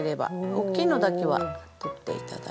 大きいのだけは取っていただいたら。